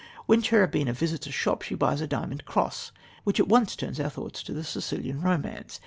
When Cherubina visits a shop she buys a diamond cross, which at once turns our thoughts to The Sicilian Romance.